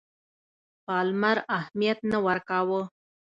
پالمر اهمیت نه ورکاوه.